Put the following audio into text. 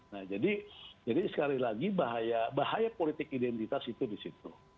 nah jadi sekali lagi bahaya politik identitas itu disitu